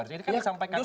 ini kan disampaikan oleh